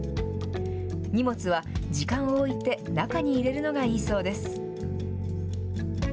荷物は時間をおいて中に入れるのがいいそうです。